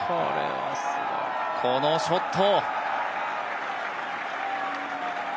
このショット！